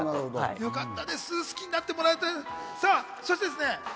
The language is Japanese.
よかったです、好きになってもらえて。